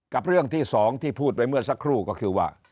กับเรื่องที่๒ที่พูดไว้เมื่อสักครู่